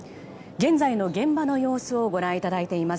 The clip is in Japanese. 現在の現場の様子をご覧いただいています。